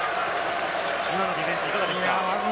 今のディフェンス、いかがですか？